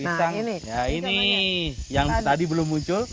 nah ini yang tadi belum muncul